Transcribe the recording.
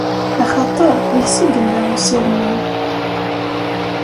Axaṭer deg-s i yella usirem-iw!